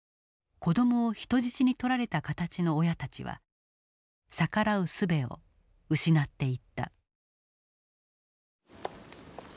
子どもを人質に取られた形の親たちは逆らうすべを失っていった。